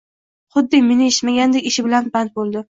Xuddi meni eshitmagandek ishi bilan band boʻldi